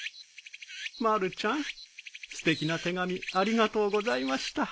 まるちゃんすてきな手紙ありがとうございました。